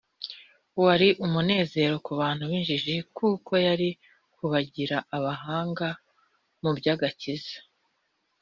wari umunezero ku bantu b’injiji kuko yari kubagira abahanga mu by’agakiza